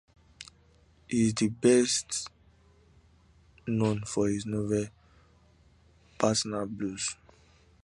He is best known for his novel "Patna Blues".